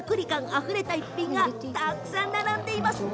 あふれた逸品がたくさん並んでいます。